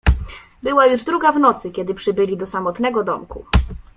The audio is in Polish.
"Była już druga w nocy, kiedy przybyli do samotnego domku."